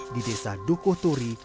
di desa dukuh turi